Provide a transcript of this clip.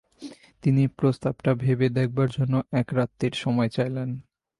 তিনি প্রস্তাবটা ভেবে দেখবার জন্য এক রাত্তির সময় চাইলেন।